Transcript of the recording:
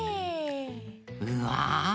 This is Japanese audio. うわ！